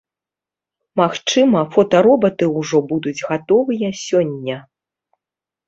Магчыма, фотаробаты ўжо будуць гатовыя сёння.